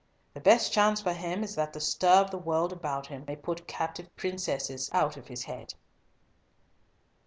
The best chance for him is that the stir of the world about him may put captive princesses out of his head."